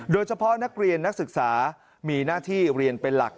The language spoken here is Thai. โดยเฉพาะนักเรียนนักศึกษามีหน้าที่เรียนเป็นหลัก